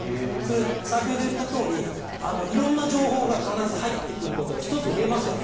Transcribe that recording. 先ほど言ったとおり色んな情報が必ず入ってくることが１つ、増えますよね。